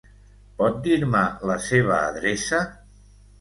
Pot dir-me la seva adreça?